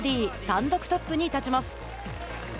単独トップに立ちます。